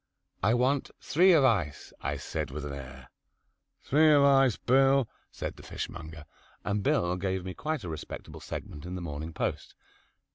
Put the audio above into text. "I want three of ice," I said with an air. "Three of ice, Bill," said the fishmonger, and Bill gave me quite a respectable segment in "The Morning Post."